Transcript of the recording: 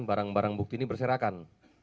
barang barang bukti ini berserakan